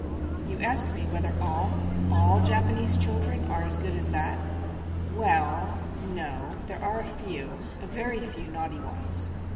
You ask me whether all, all Japanese chil dren are as good as that? Well — no, there are a few, a very few naughty ones.